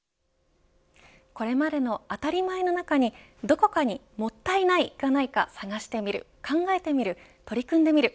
これまでの当たり前の中にどこかにもったいないがないか探してみる考えてみる取り組んでみる。